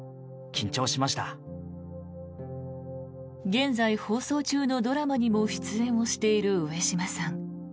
現在放送中のドラマにも出演をしている上島さん。